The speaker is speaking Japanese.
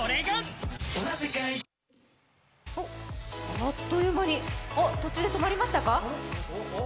あっという間に途中で止まりましたか？